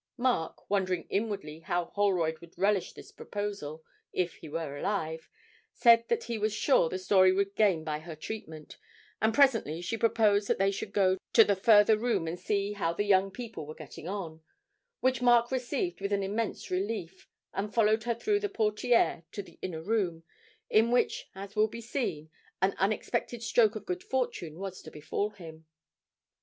Mark, wondering inwardly how Holroyd would relish this proposal if he were alive, said that he was sure the story would gain by her treatment; and presently she proposed that they should go to the further room and see 'how the young people were getting on,' which Mark received with an immense relief, and followed her through the portière to the inner room, in which, as will be seen, an unexpected stroke of good fortune was to befall him.